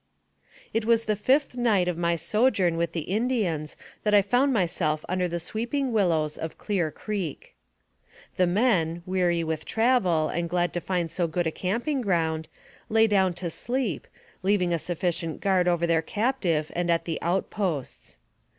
It was the fifth night of my sojourn with the In dians that I found myself under the weeping willows of Clear Creek. AMONG THE SIOUX INDIANS. 65 The men, weary with travel, and glad to find so good a camping ground, lay down to sleep, leaving a sufficient guard over their captive and at the outposts.